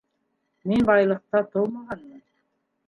Мин байлыҡта тыумағанмын